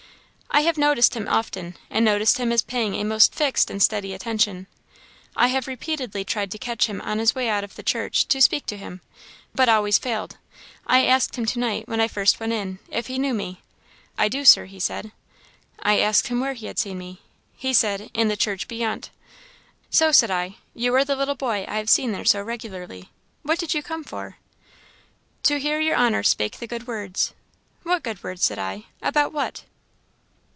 "I have noticed him often, and noticed him as paying a most fixed and steady attention. I have repeatedly tried to catch him on his way out of the church, to speak to him, but always failed. I asked him to night, when I first went in, if he knew me. 'I do, Sir,' he said. I asked him where he had seen me. He said, 'In the church beyant.' 'So,' said I, 'you are the little boy I have seen there so regularly; what did you come there for?" " 'To hear your honor spake the good words.' " 'What good words?' said I; 'about what?'